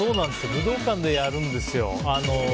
武道館でやるんですよ。